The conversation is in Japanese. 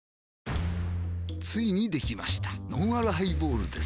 ついにできましたのんあるハイボールです